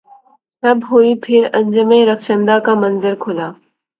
شب ہوئی پھر انجم رخشندہ کا منظر کھلا